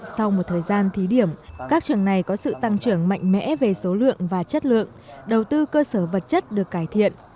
sau một thời gian thí điểm các trường này có sự tăng trưởng mạnh mẽ về số lượng và chất lượng đầu tư cơ sở vật chất được cải thiện